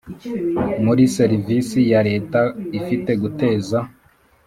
muri Serivisi ya Leta ifite guteza